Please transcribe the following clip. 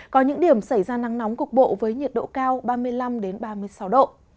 có những điểm xảy ra nắng nóng cục bộ với nhiệt độ cao ba mươi năm